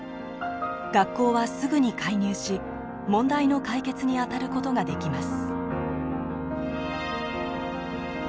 学校はすぐに介入し問題の解決にあたることができます。